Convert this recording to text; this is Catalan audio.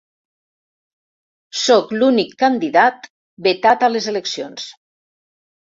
Sóc l’únic candidat vetat a les eleccions.